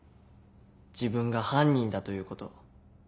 自分が犯人だということを。